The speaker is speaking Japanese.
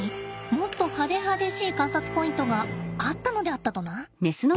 もっと派手派手しい観察ポイントがあったのであったとな。